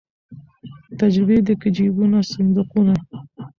تجرۍ دي که جېبونه صندوقونه